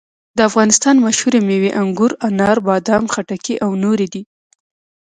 د افغانستان مشهورې مېوې انګور، انار، بادام، خټکي او نورې دي.